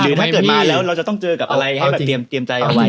ถ้าเกิดมาแล้วเราจะต้องเจอกับอะไรให้แบบเตรียมใจเอาไว้